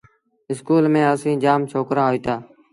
اسڪول ميݩ اسيٚݩ جآم ڇوڪرآ هوئيٚتآ۔